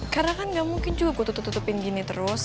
karena kan gak mungkin juga gue tutupin gini terus